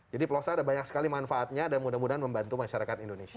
jadi plosa ada banyak sekali manfaatnya dan mudah mudahan membantu masyarakat indonesia